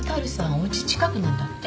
おうち近くなんだって？